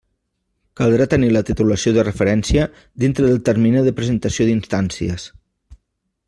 Caldrà tenir la titulació de referència dintre del termini de presentació d'instàncies.